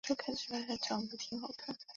本剧是井川遥首出担当主角的电视剧。